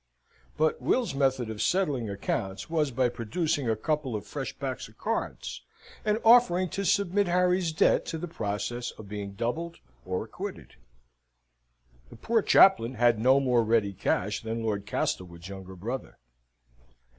But Will's method of settling accounts was by producing a couple of fresh packs of cards, and offering to submit Harry's debt to the process of being doubled or acquitted. The poor chaplain had no more ready cash than Lord Castlewood's younger brother.